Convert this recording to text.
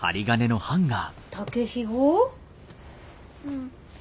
うん。